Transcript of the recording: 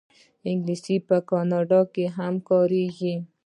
انګلیسي په کاناډا کې هم کارېږي